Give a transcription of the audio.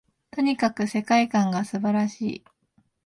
とにかく世界観が素晴らしい